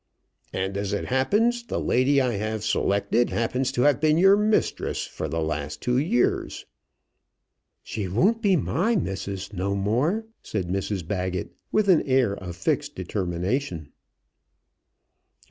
"And, as it happens, the lady I have selected happens to have been your mistress for the last two years." "She won't be my missus no more," said Mrs Baggett, with an air of fixed determination.